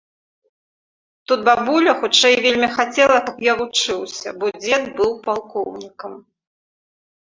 Тут бабуля хутчэй вельмі хацела, каб я вучыўся, бо дзед быў палкоўнікам.